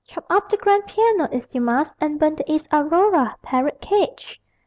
Chop up the grand piano if you must, And burn the East Aurora parrot cage!